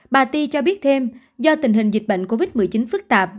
bà ti cho biết thêm do tình hình dịch bệnh covid một mươi chín phức tạp